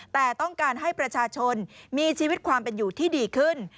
แต่ต้องการให้ประชาชนมีชีวิตความเป็นอยู่ที่ดีขึ้น